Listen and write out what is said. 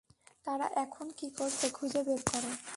তারা এখন কি করছে খুঁজে বের কর।